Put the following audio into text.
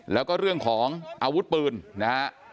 แล้วก็เรื่องของอาวุธปืนนะฮะ